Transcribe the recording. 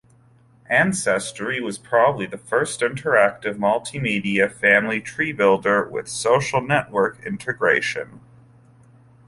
Ancestory was probably the first interactive multimedia family tree builder, with social network integration.